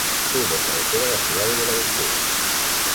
Tuvo por cabecera a la ciudad de Buenaventura.